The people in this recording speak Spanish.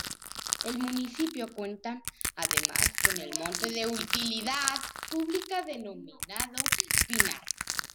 El municipio cuenta además con el Monte de Utilidad Pública denominado Pinar.